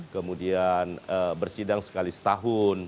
kemudian bersidang sekali setahun